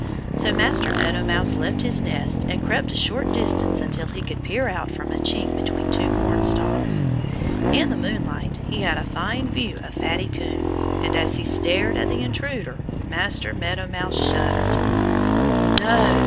So Master Meadow Mouse left his nest and crept a short distance until he could peer out from a chink between two cornstalks. In the moonlight he had a fine view of Fatty Coon. And as he stared at the intruder Meadow Mouse shuddered. "No!"